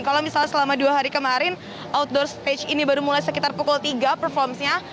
kalau misalnya selama dua hari kemarin outdoor spage ini baru mulai sekitar pukul tiga performa